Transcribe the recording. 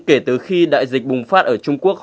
kể từ khi đại dịch bùng phát ở trung quốc